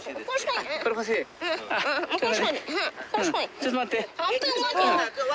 ちょっと待って。